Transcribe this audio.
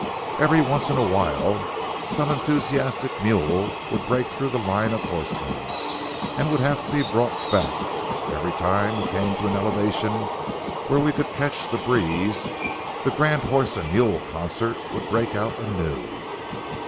Every once in a while, some enthusiastic mule would break through the line of horsemen, and would have to be brought back. Every time we came to an elevation where we could catch the breeze, the grand horse and mule concert would break out anew.